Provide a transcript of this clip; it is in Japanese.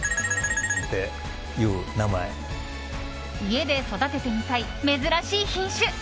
家で育ててみたい珍しい品種。